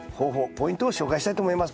ポイントを紹介したいと思います。